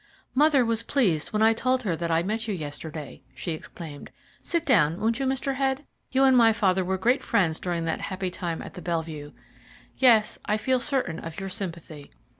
"Mother was pleased when I told her that I met you yesterday," she exclaimed. "Sit down, won't you, Mr. Head? You and my father were great friends during that happy time at the Bellevue. Yes, I feel certain of your sympathy."